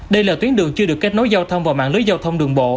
đây là tuyến đường chưa được kết nối giao thông vào mạng lưới giao thông đường bộ